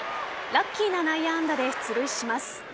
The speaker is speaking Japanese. ラッキーな内野安打で出塁します。